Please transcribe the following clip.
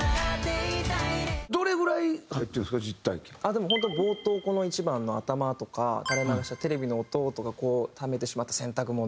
でも本当冒頭この１番の頭とか「垂れ流したテレビの音」とか「溜めてしまった洗濯物」